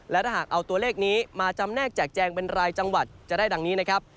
และถ้าหากเอาตัวเลขนี้มาจำแนกแจกแจงเป็นรายจังหวัดจะได้ดังนี้นะครับ